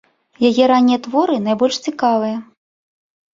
Яе раннія творы найбольш цікавыя.